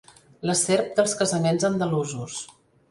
La serp dels casaments andalusos.